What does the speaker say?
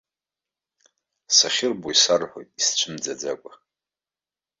Сахьырбо исарҳәоит исцәымӡаӡакәа.